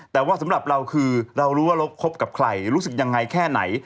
แต่ว่าสำหรับเราคือเรารู้ว่าเราคบกับใครรู้สึกยังไงแค่ไหน